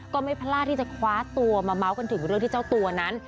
ก็ไม่พลาดที่จะคว้าตัวมาเมาส์กันถึงเรื่องที่เจ้าตัวนั้น